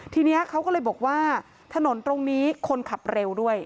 ทีนี้เขาก็เลยบอกว่าถนนตรงนี้คนขับเร็วด้วย